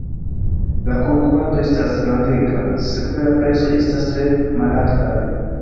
La konkurado estas grandega, sekve la prezoj estas tre malaltaj.